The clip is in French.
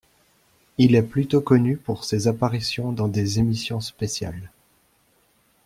Il est plutôt connu pour ses apparitions dans des émissions spéciales.